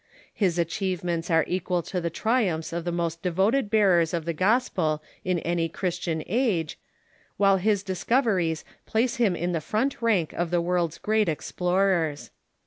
His achievements are equal to the triumphs of the most devoted bearers of the gospel in any Christian age, while his discoveries place him in the front rank of the world's great explorers.